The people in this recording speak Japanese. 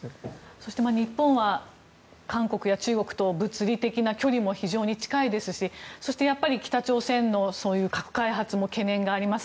そして日本は韓国や中国と物理的な距離も非常に近いですしそしてやっぱり北朝鮮の核開発の懸念があります。